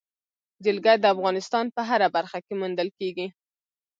جلګه د افغانستان په هره برخه کې موندل کېږي.